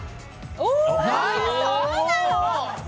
そうなの？